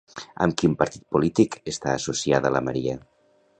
Amb quin partit polític està associada la Maria?